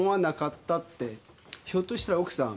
ひょっとしたら奥さん。